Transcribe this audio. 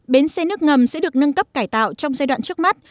bến xe nước ngầm sẽ được nâng cấp cải tạo trong giai đoạn trước mắt